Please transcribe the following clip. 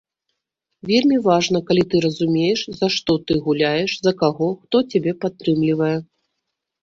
Вельмі важна, калі ты разумееш, за што ты гуляеш, за каго, хто цябе падтрымлівае.